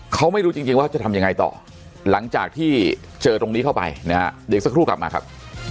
เขาไม่รู้จริงว่าจะทำยังไงต่อหลังจากที่เจอตรงนี้เข้าไปนะฮะเดี๋ยวสักครู่กลับมาครับ